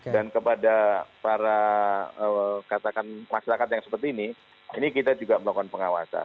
dan kepada para masyarakat yang seperti ini ini kita juga melakukan pengawasan